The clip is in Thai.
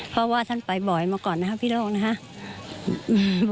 เพราะว่าท่านไปบ่อยมาก่อนนะครับพี่โลกนะครับ